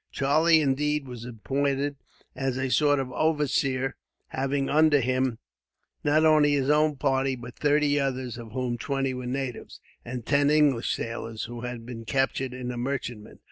Charlie, indeed, was appointed as a sort of overseer; having under him not only his own party, but thirty others, of whom twenty were natives, and ten English sailors, who had been captured in a merchantman.